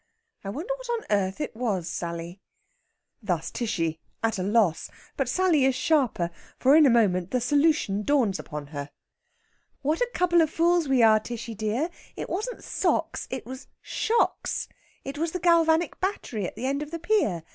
I wonder what on earth it was, Sally." Thus Tishy, at a loss. But Sally is sharper, for in a moment the solution dawns upon her. "What a couple of fools we are, Tishy dear! It wasn't socks it was shocks. It was the galvanic battery at the end of the pier.